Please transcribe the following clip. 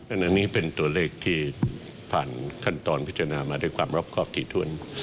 อันนี้เป็นตัวเลขที่ผ่านขั้นตอนพิจารณามาด้วยความรอบครอบถี่ถ้วน